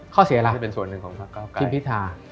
ข้อเสียละที่พิษฐา